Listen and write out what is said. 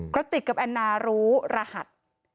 กระติกกับแอนนารู้รหัส